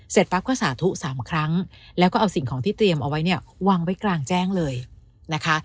ปั๊บก็สาธุ๓ครั้งแล้วก็เอาสิ่งของที่เตรียมเอาไว้เนี่ยวางไว้กลางแจ้งเลยนะคะ